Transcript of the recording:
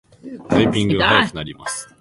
タイピングが早くなります